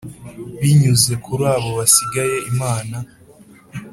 binyuze kuri abo basigaye imana